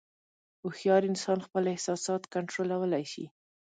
هوښیار انسان خپل احساسات کنټرولولی شي.